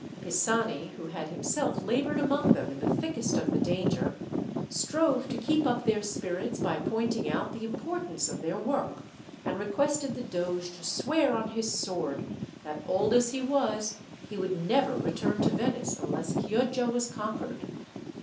Pisani, who had himself laboured among them in the thickest of the danger, strove to keep up their spirits by pointing out the importance of their work, and requested the doge to swear on his sword that, old as he was, he would never return to Venice unless Chioggia was conquered.